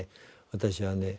私はね